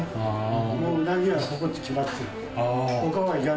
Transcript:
もううなぎはここって決まってる。